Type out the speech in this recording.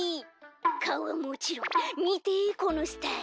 かおはもちろんみてこのスタイル。